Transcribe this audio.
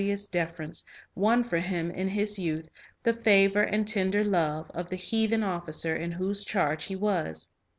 55 Illustrations deference won for him in his youth the "favor and tender love" of the heathen officer in whose charge he was.